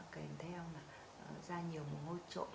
cảnh theo là ra nhiều mồ hôi trộn